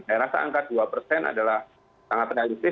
saya rasa angka dua persen adalah sangat realistis